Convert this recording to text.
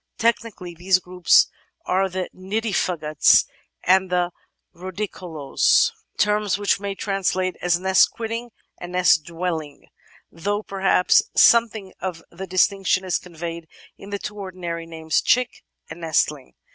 Technically these groups are the nidifugotts and the rUdicolous, terms which we may translate as nest quitting and nest dwelling, though perhaps something of the distinction is conveyed in the two ordinary names "chick" and "nestling."